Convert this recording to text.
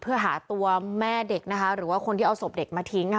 เพื่อหาตัวแม่เด็กนะคะหรือว่าคนที่เอาศพเด็กมาทิ้ง